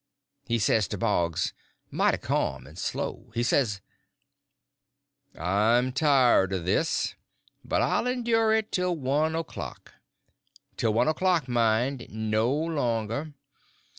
He says to Boggs, mighty ca'm and slow—he says: "I'm tired of this, but I'll endure it till one o'clock. Till one o'clock, mind—no longer.